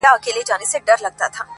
• بوالعلا وو بریان سوی چرګ لیدلی -